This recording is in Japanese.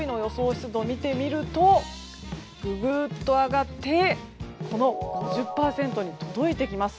湿度を見てみるとググっと上がってこの５０％に届いてきます。